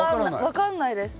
分かんないです